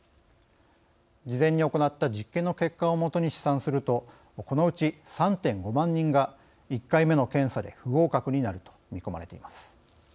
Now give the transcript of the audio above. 事前に行った実験の結果をもとに試算するとこのうち３．５万人が１回目の検査で不合格になると見込まれています。